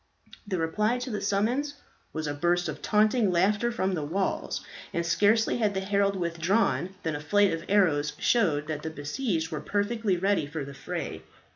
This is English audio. The reply to the summons was a burst of taunting laughter from the walls; and scarcely had the herald withdrawn, than a flight of arrows showed that the besieged were perfectly ready for the fray.